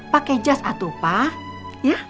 pakai jas atuh pak